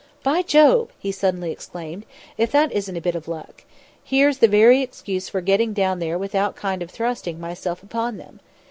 "By Jove!" he suddenly exclaimed. "If that isn't a bit of luck! Here's the very excuse for getting down there without kind of thrusting myself upon them."